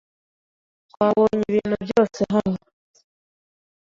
Twabonye ibintu byose hano.